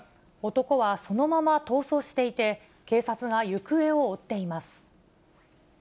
男はそのまま逃走していて、警察が行方を追っています。